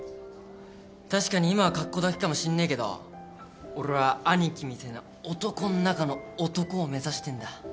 確かに今は格好だけかもしんねえけど俺はアニキみてえな男の中の男を目指してんだ。